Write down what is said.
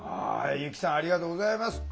由希さんありがとうございます。